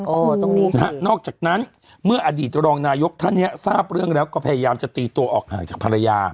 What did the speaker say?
โอ้โหตรงนี้นะฮะนอกจากนั้นเมื่ออดีตรองนายกท่านเนี้ยทราบเรื่องแล้วก็พยายามจะตีตัวออกห่างจากภรรยา